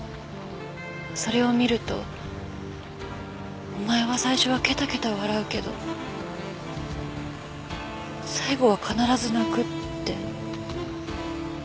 それを見るとお前は最初はケタケタ笑うけど最後は必ず泣くって。